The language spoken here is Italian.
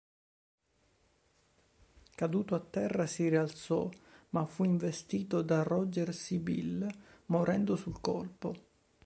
Caduto a terra, si rialzò, ma fu investito da Roger Sibille, morendo sul colpo.